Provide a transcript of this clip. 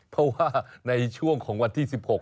เพราะว่าในช่วงของวันที่๑๖